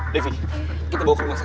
devi kita bawa ke rumah sakit